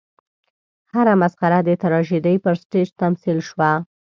هره مسخره د تراژیدۍ پر سټېج تمثیل شوه.